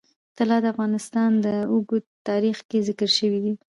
طلا د افغانستان په اوږده تاریخ کې ذکر شوی دی.